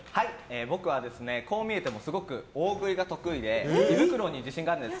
僕は、こう見えてもすごく大食いが得意で胃袋に自信があるんです。